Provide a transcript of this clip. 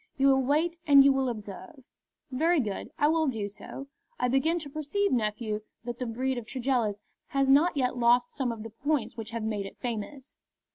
You will wait and you will observe." "Very good; I will do so. I begin to perceive, nephew, that the breed of Tregellis has not yet lost some of the points which have made it famous."